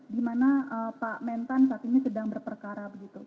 di mana pak mentan saat ini sedang bertanya